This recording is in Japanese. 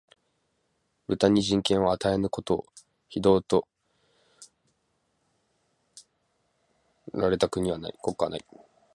豚に人権を与えぬことを、非道と謗られた国家はない